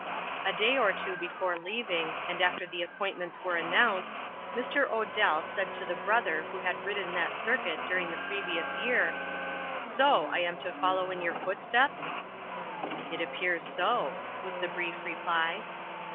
A day or two before leaving, and after the appointments were announced, Mr. Odell said to the brother who had ridden that circuit during the previous year "So, I am to follow in your footsteps?" "It appears so," was the brief reply.